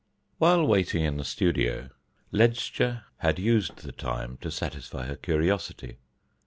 While waiting in the studio Ledscha had used the time to satisfy her curiosity.